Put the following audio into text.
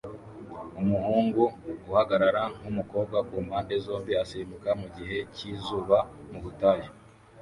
Umuhungu ahagarara nkumukobwa kumpande zombi asimbuka mugihe cyizuba mubutayu